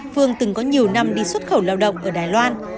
phương từng có nhiều năm đi xuất khẩu lao động ở đà nẵng